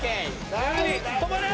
止まれ！